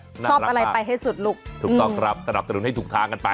ชอบอะไรไปให้สุดลูกถูกต้องครับสนับสนุนให้ถูกทางกันไป